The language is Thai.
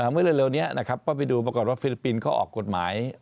เมื่อเร็วนี้นะครับก็ไปดูปรากฏว่าฟิลิปปินส์เขาออกกฎหมาย